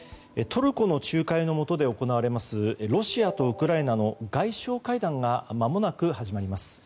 トルコの仲介のもとで行われますロシアとウクライナの外相会談がまもなく始まります。